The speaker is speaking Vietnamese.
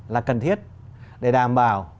là cần thiết để đảm bảo